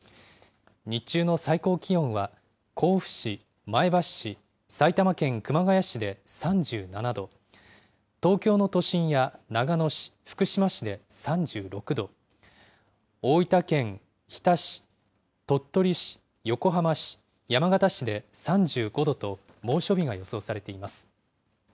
日中の最高気温は甲府市、前橋市、埼玉県熊谷市で３７度、東京の都心や長野市、福島市で３６度、大分県日田市、鳥取市、横浜市、山形市で３５度と、猛暑日が予想されています。